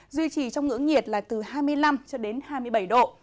duy trì trong ngưỡng nhiệt là từ hai mươi năm hai mươi bảy độ